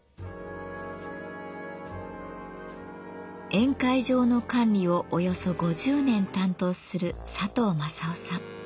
宴会場の管理をおよそ５０年担当する佐藤正夫さん。